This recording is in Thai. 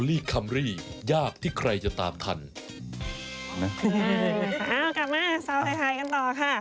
เอากลับมาสาวไทยหายกันต่อค่ะ